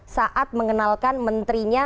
saat mengenalkan menterinya